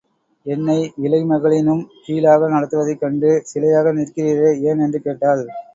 என்னை விலை மகளினும் கீழாக நடத்துவதைக் கண்டு சிலையாக நிற்கிறீரே ஏன்? என்று கேட்டாள்.